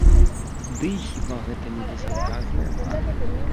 Дый хіба гэта не безадказныя мары?